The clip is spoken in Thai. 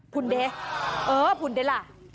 พูดเร้อผุ่นเด้น